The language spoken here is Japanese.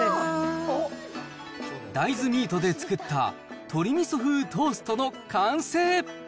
大豆ミートで作ったとり味噌風トーストの完成。